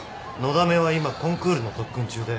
だめは今コンクールの特訓中で。